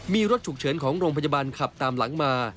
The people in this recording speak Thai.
มีรถฉุกเฉินของโรงพยาบาลขับตามหลังมา